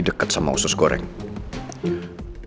deket sama usus gorengnya